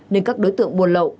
nên các đối tượng buôn lậu